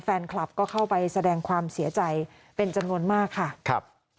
แฟนคลับก็เข้าไปแสดงความเสียใจเป็นจำนวนมากค่ะครับ